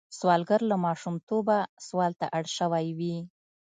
سوالګر له ماشومتوبه سوال ته اړ شوی وي